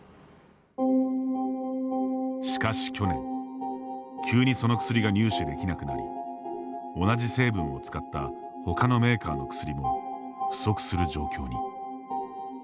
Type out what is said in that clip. しかし去年急にその薬が入手できなくなり同じ成分を使ったほかのメーカーの薬も不足する状況に。